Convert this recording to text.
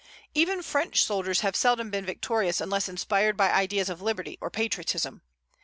Even French soldiers have seldom been victorious unless inspired by ideas of liberty or patriotism.